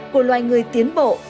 của loài người tiến bộ